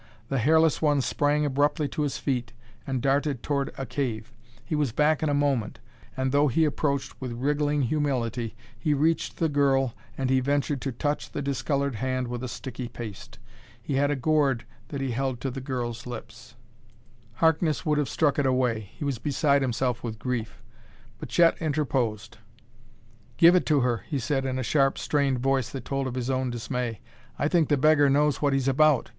The hairless one sprang abruptly to his feet and darted toward a cave. He was back in a moment; and, though be approached with wriggling humility, he reached the girl and he ventured to touch the discolored hand with a sticky paste. He had a gourd that he held to the girl's lips. Harkness would have struck it away; he was beside himself with grief. But Chet interposed. "Give it to her," he said in a sharp, strained voice that told of his own dismay. "I think the beggar knows what he's about.